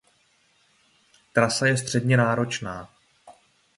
Trasa je středně náročná.